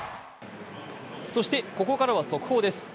そしてここからは速報です。